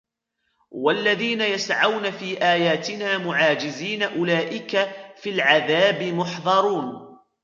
وَالَّذِينَ يَسْعَوْنَ فِي آيَاتِنَا مُعَاجِزِينَ أُولَئِكَ فِي الْعَذَابِ مُحْضَرُونَ